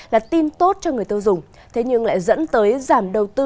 là tin tốt cho người tiêu dùng thế nhưng lại dẫn tới giảm đầu tư